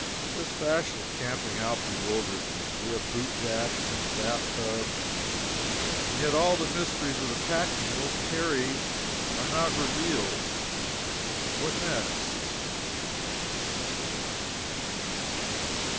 This fashion of camping out bewilders me. We have boot jacks and a bath tub, now, and yet all the mysteries the pack mules carry are not revealed. What next?